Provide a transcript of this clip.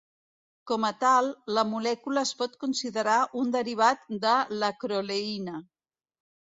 Com a tal, la molècula es pot considerar un derivat de l'acroleïna.